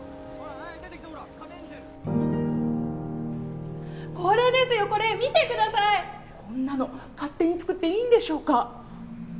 ほらカメンジェル・これですよこれ見てくださいこんなの勝手に作っていいんでしょうか？